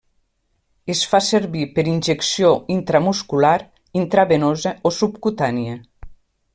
Es fa servir per injecció intramuscular, intravenosa o subcutània.